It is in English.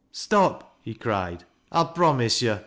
" Stop 1 " he cried " I'll promise yo'."